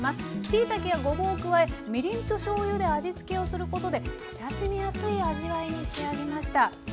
しいたけやごぼうを加えみりんとしょうゆで味付けをすることで親しみやすい味わいに仕上げました。